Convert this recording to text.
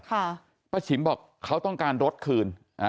ป้าฉิมบอกเขาต้องการรถคืน